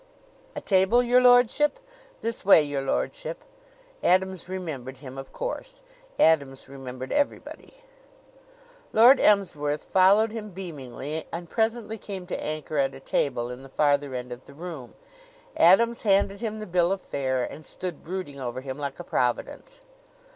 "A table, your lordship? This way, your lordship." Adams remembered him, of course. Adams remembered everybody. Lord Emsworth followed him beamingly and presently came to anchor at a table in the farther end of the room. Adams handed him the bill of fare and stood brooding over him like a providence.